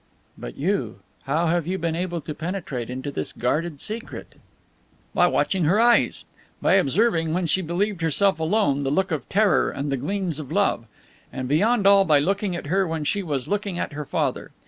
"But you, how have you been able to penetrate into this guarded secret?" "By watching her eyes. By observing, when she believed herself alone, the look of terror and the gleams of love. And, beyond all, by looking at her when she was looking at her father.